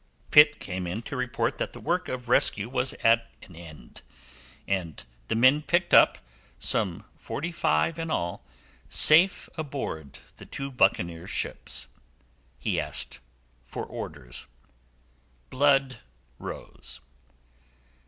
Pitt came in to report that the work of rescue was at an end, and the men picked up some forty five in all safe aboard the two buccaneer ships. He asked for orders. Blood rose.